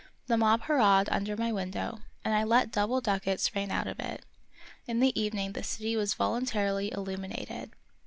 The mob hurrahed under my window, and I let double ducats rain out of it. In the evening the city was voluntarily illumi nated.